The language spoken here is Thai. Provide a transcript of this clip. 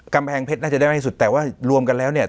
กำแพงเพชรน่าจะได้มากที่สุดแต่ว่ารวมกันแล้วเนี่ย